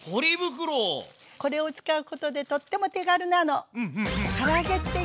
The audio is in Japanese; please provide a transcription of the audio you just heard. これを使うことでとっても手軽なの。